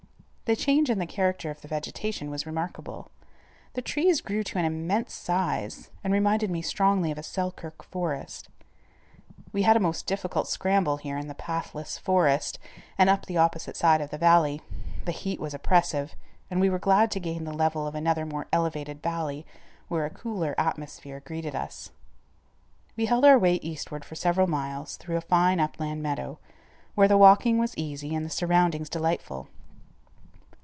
The change in the character of the vegetation was remarkable. The trees grew to an immense size and reminded me strongly of a Selkirk forest. We had a most difficult scramble here in the pathless forest and up the opposite side of the valley. The heat was oppressive, and we were glad to gain the level of another more elevated valley where a cooler atmosphere greeted us. We held our way eastward for several miles through a fine upland meadow, where the walking was easy and the surroundings delightful.